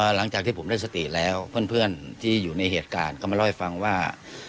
หลังจากที่ผมได้สติแล้วเพื่อนที่อยู่ในเหตุการณ์ก็มาเล่าให้ฟังว่า